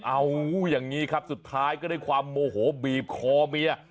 เอาอย่างนี้ครับสุดท้ายก็ด้วยความโมโหบีบคอเมีย